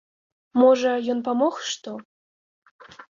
Можа, ён памог што?